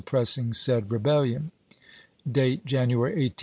pressing said rebellion." — Date, January, 1863. 2.